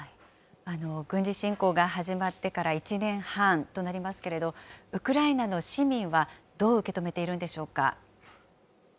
軍事侵攻が始まってから１年半となりますけれども、ウクライナの市民はどう受け止めているんでしょうか。